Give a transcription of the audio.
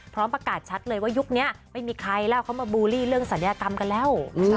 ประกาศชัดเลยว่ายุคนี้ไม่มีใครแล้วเขามาบูลลี่เรื่องศัลยกรรมกันแล้ว